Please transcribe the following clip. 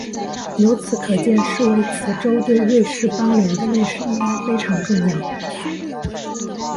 由此可见施维茨州对瑞士邦联的历史意义非常重要。